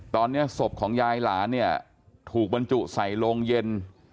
ตอนนี้ศพของยายหลานเนี่ยถูกบรรจุใส่โรงเย็น